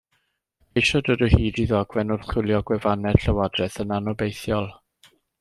Mae ceisio dod o hyd i ddogfen wrth chwilio gwefannau'r Llywodraeth yn anobeithiol.